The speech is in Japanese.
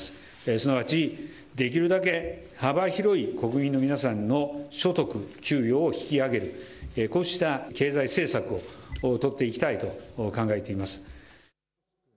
すなわち、できるだけ幅広い国民の皆さんの所得、給与を引き上げる、こうした経済政策を取っていきたいと考えています。